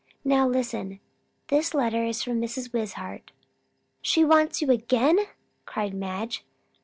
"Now listen. This letter is from Mrs. Wishart." "She wants you again!" cried Madge.